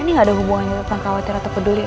ini gak ada hubungannya tentang khawatir atau peduli